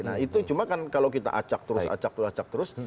nah itu cuma kan kalau kita acak terus acak terus acak terus